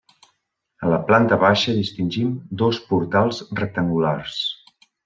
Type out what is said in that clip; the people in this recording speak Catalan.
A la planta baixa distingim dos portals rectangulars.